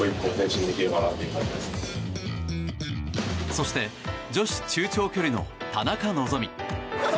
そして女子中長距離の田中希実。